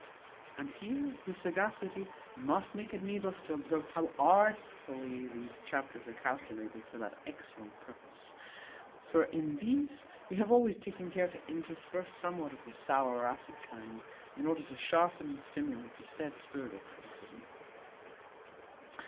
And here his sagacity must make it needless to observe how artfully these chapters are calculated for that excellent purpose; for in these we have always taken care to intersperse somewhat of the sour or acid kind, in order to sharpen and stimulate the said spirit of criticism.